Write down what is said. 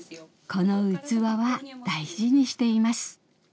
この器は大事にしています。